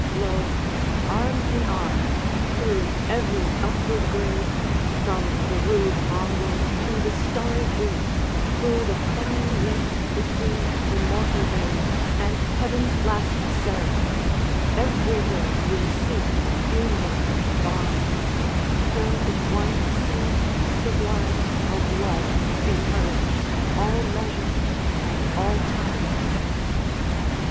Lo! arm in arm, through every upward grade, From the rude mongrel to the starry Greek, Who the fine link between the mortal made, And heaven's last seraph everywhere we seek Union and bond till in one sea sublime Of love be merged all measure and all time!